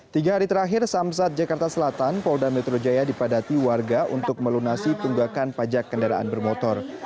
tiga hari terakhir samsat jakarta selatan polda metro jaya dipadati warga untuk melunasi tunggakan pajak kendaraan bermotor